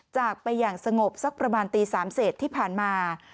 จากไปอย่างสงบสักประมาณตี๓เศษที่ผ่านมา